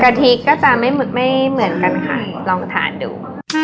ทิก็จะไม่เหมือนกันค่ะลองทานดู